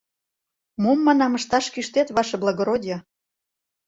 — Мом, манам, ышташ кӱштет, ваше благородие?